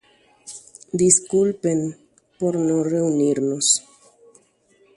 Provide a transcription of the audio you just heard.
Cheñyrõmíkena nañañembyatýire.